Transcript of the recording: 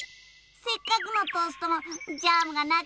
せっかくのトーストもジャムがなくちゃな。